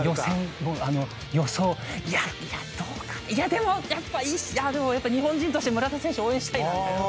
でもやっぱ日本人として村田選手応援したいなみたいな。